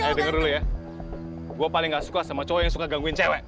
jangan jangan dulu ya gue paling gak suka sama cowok yang suka ganggu cewek